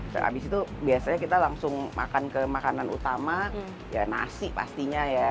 sehabis itu biasanya kita langsung makan ke makanan utama ya nasi pastinya ya